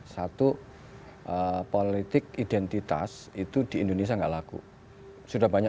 satu politik identitas itu di indonesia nggak laku